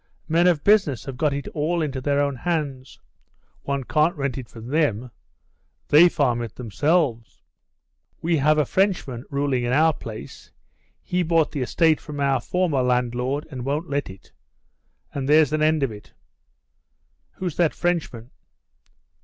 Men of business have got it all into their own hands. One can't rent it from them. They farm it themselves. We have a Frenchman ruling in our place; he bought the estate from our former landlord, and won't let it and there's an end of it." "Who's that Frenchman?"